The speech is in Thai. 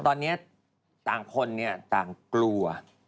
ตอนนี้ต่างคนต่างกลัว